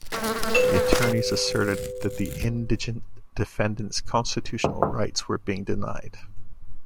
The attorneys asserted that the indigent defendants' constitutional rights were being denied.